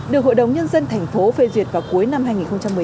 được hội đồng nhân dân thành phố phê duyệt vào cuối năm hai nghìn một mươi chín